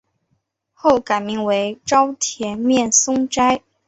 后改名沼田面松斋。